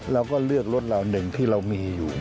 เราก็เลือกรถเราหนึ่งที่เรามีอยู่